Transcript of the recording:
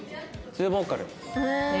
ツーボーカルで。